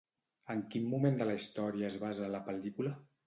En quin moment de la història es basa la pel·lícula?